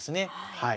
はい。